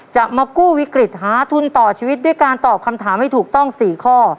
จะมากู้วิกฤตหาทุนต่อชีวิตด้วยการตอบคำถามให้ถูกต้อง๔ข้อ